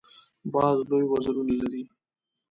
باز لوی وزرونه لري